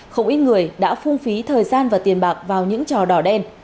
không ít người đã phung phí thời gian và tiền bạc vào những trò đỏ đen